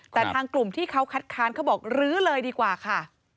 แต่ทางกลุ่มที่เขาคัดค้านเขาบอกลื้อเลยดีกว่าค่ะ